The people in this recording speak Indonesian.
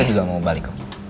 saya juga mau balik